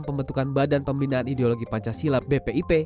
pembentukan badan pembinaan ideologi pancasila bpip